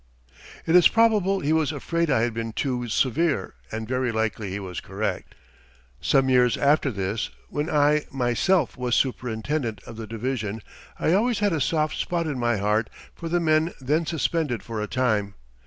It is probable he was afraid I had been too severe and very likely he was correct. Some years after this, when I, myself, was superintendent of the division I always had a soft spot in my heart for the men then suspended for a time.